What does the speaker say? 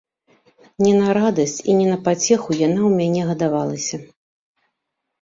Не на радасць і не на пацеху яна ў мяне гадавалася.